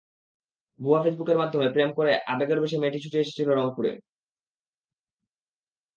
ভুয়া ফেসবুকের মাধ্যমে প্রেম করে করে আবেগের বশে মেয়েটি ছুটে এসেছিল রংপুরে।